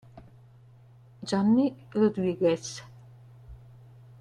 Johnny Rodriguez